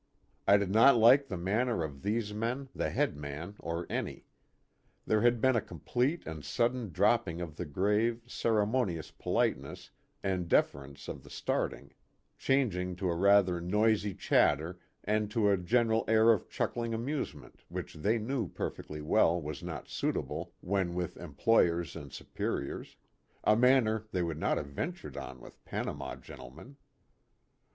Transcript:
I did not like the manner of these men, the head man or any. There had been a complete and sudden dropping of the grave, ceremonious politeness and deference of the starting ; chang ing to a rather noisy chatter and to a general air of chuckling amusement which they knew perfectly well was not suitable when with employers and superiors a manner they A PICNIC NEAR THE EQUATOR. 57 would not have ventured on with Panama gen tlemen.